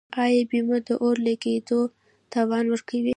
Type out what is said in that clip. آیا بیمه د اور لګیدو تاوان ورکوي؟